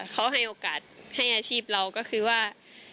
เขาให้โอกาสให้อาชีพเราก็คือว่า